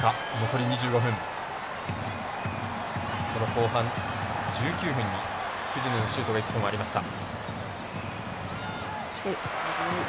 後半１９分に藤野のシュートが１本ありました。